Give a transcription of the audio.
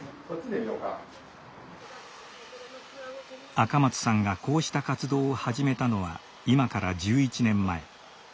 赤松さんがこうした活動を始めたのは今から１１年前。